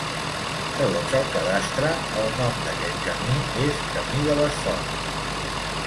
Segons el Cadastre, el nom d'aquest camí és Camí de les Fonts.